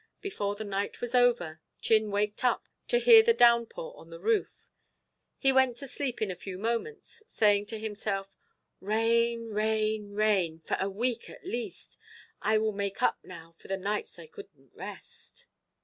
Before the night was over, Chin waked up to hear the downpour on the roof. He went to sleep in a few moments, saying to himself, "Rain, rain, rain, for a week at least. I will make up now for the nights I couldn't rest."